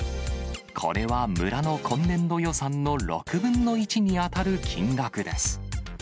これは村の今年度予算の６分の１に当たる金額です。